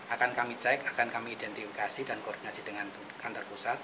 akan kami cek akan kami identifikasi dan koordinasi dengan kantor pusat